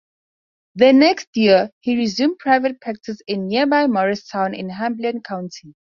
The next year, he resumed private practice in nearby Morristown, in Hamblen County.